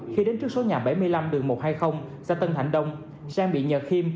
khi đến trước số nhà bảy mươi năm đường một trăm hai mươi xã tân thạnh đông giang bị nhờ khiêm